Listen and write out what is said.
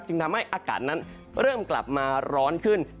ทำให้อากาศนั้นเริ่มกลับมาร้อนขึ้น